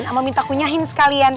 nggak mau minta kunyahin sekalian